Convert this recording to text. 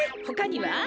ほかには？